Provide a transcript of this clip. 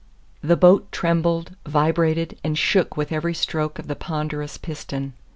The boat trembled, vibrated, and shook with every stroke of the ponderous piston.